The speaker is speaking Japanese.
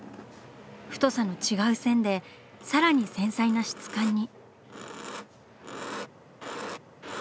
太さの違う線でさらに繊細な質感に。